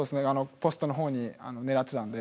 ポストの方に狙ってたんで。